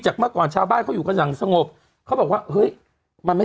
เมื่อก่อนชาวบ้านเขาอยู่กันอย่างสงบเขาบอกว่าเฮ้ยมันไม่